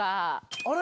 あれ？